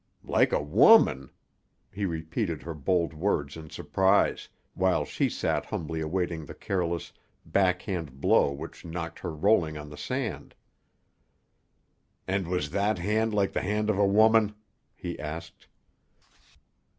"Like a woman?" He repeated her bold words in surprise, while she sat humbly awaiting the careless, back hand blow which knocked her rolling on the sand. "And was that hand like the hand of a woman?" he asked.